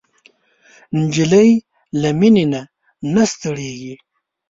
نجلۍ له مینې نه نه ستړېږي.